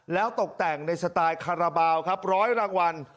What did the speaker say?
แล้วตกแต่งในสไตล์คาราบาลครับร้อยรางวัล